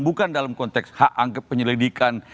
bukan dalam konteks hak angket penyelidikan